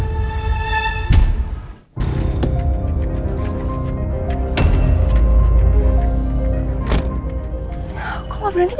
kok gak berani bisa disini